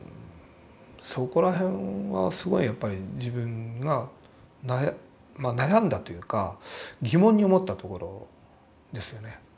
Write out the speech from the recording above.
そこら辺はすごいやっぱり自分が悩んだというか疑問に思ったところですよね。